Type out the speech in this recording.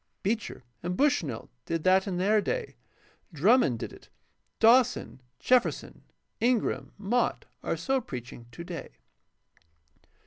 Beecher and Bushnell did that in their day. Drmnmond did it. Dawson, Jefferson, Ingram, Mott, are so preaching today.